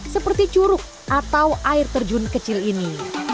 seperti curug atau air terjun kecil ini